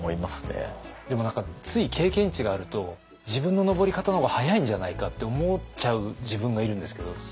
でも何かつい経験値があると自分の登り方の方が早いんじゃないかって思っちゃう自分がいるんですけど。